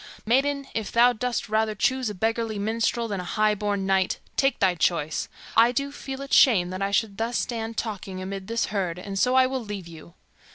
Maiden, if thou dost rather choose a beggarly minstrel than a high born knight, take thy choice. I do feel it shame that I should thus stand talking amid this herd, and so I will leave you."